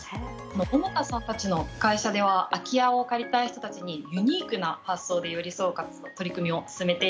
桃田さんたちの会社では空き家を借りたい人たちにユニークな発想で寄り添う取り組みを進めています。